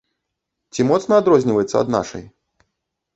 Ці моцна адрозніваецца ад нашай?